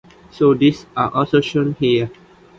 So these are also shown here.